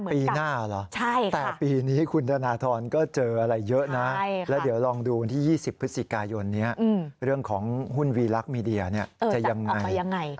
ปีหน้าเหรอแต่ปีนี้คุณธนทรก็เจออะไรเยอะนะแล้วเดี๋ยวลองดูวันที่๒๐พฤศจิกายนนี้เรื่องของหุ้นวีลักษณ์มีเดียจะยังไง